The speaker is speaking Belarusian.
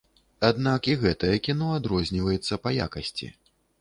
Аднак і гэтае кіно адрозніваецца па якасці.